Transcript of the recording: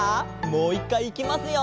もう１かいいきますよ。